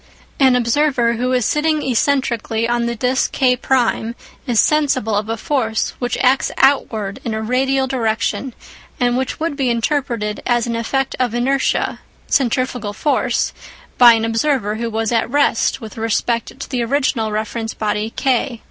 An observer who is sitting eccentrically on the disc K1 is sensible of a force which acts outwards in a radial direction, and which would be interpreted as an effect of inertia (centrifugal force) by an observer who was at rest with respect to the original reference body K.